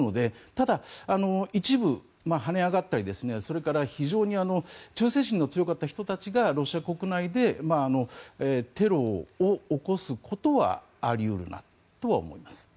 ただ一部、跳ね上がったりそれから非常に忠誠心の強かった人たちがロシア国内でテロを起こすことはあり得るなとは思います。